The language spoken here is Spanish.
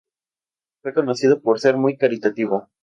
Fue conocido por ser muy caritativo.